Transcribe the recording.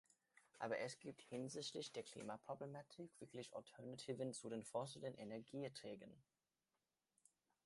Aber es gibt hinsichtlich der Klimaproblematik wirklich Alternativen zu den fossilen Energieträgern.